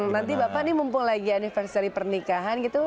nanti bapak ini mumpung lagi anniversary pernikahan gitu